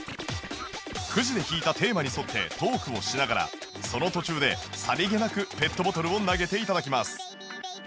くじで引いたテーマに沿ってトークをしながらその途中でさりげなくペットボトルを投げて頂きます